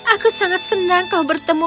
aku sangat senang kau bertemu